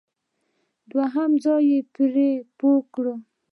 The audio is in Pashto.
دوهم ځان پرې پوه کړئ.